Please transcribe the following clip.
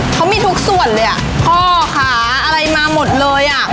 เขามีทุกส่วนเลยอ่ะพ่อค่ะอะไรมาหมดเลยอ่ะ